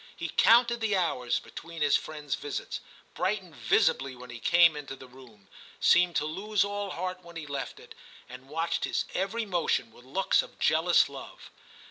He counted the hours between his friend's visits, brightened visibly when he came into the room, seemed to lose all heart when he left it, and watched his every motion with looks of jealous love.